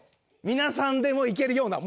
皆さんでも行けるような